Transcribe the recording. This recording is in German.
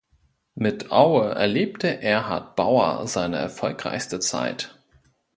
Mit Aue erlebte Erhard Bauer seine erfolgreichste Zeit.